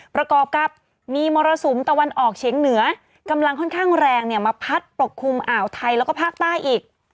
ประกอบกับมีมรสุมตะวันออกเฉียงเหนือกำลังค่อนข้างแรงเนี่ยมาพัดปกคลุมอ่าวไทยแล้วก็ภาคใต้อีก